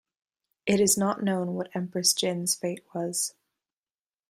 It is not known what Empress Jin's fate was.